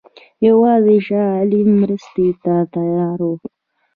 یوازې شاه عالم مرستې ته تیار وو.